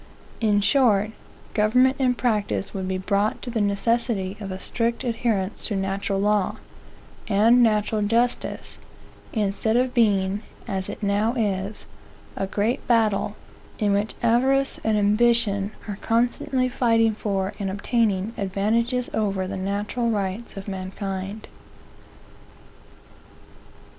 In short, government in practice would be brought to the necessity of a strict adherence to natural law, and natural justice, instead of being, as it now is, a great battle, in which avarice and ambition are constantly fighting for and obtaining advantages over the natural rights of mankind.